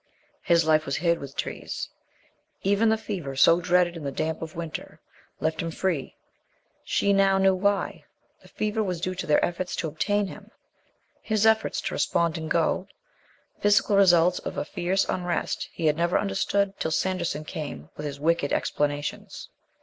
His life was hid with trees. Even the fever, so dreaded in the damp of winter, left him free. She now knew why: the fever was due to their efforts to obtain him, his efforts to respond and go physical results of a fierce unrest he had never understood till Sanderson came with his wicked explanations.